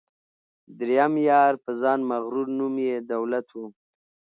دریم یار په ځان مغرور نوم یې دولت وو